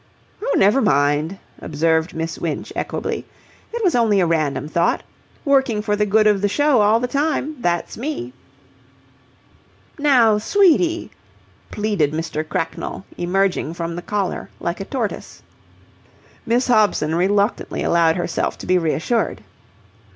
"Oh, never mind," observed Miss Winch, equably. "It was only a random thought. Working for the good of the show all the time. That's me." "Now, sweetie!" pleaded Mr. Cracknell, emerging from the collar like a tortoise. Miss Hobson reluctantly allowed herself to be reassured.